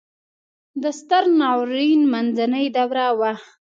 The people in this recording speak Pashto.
د ستر ناورین منځنۍ دوره وه.